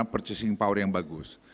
purchasing power yang bagus